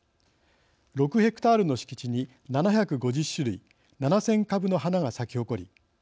６ヘクタールの敷地に７５０種類７０００株の花が咲き誇り